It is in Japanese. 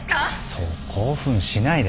そう興奮しないで。